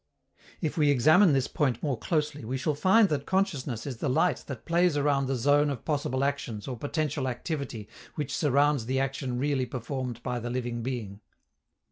If we examine this point more closely, we shall find that consciousness is the light that plays around the zone of possible actions or potential activity which surrounds the action really performed by the living being.